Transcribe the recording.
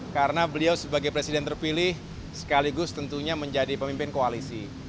karena beliau sebagai presiden terpilih sekaligus tentunya menjadi pemimpin koalisi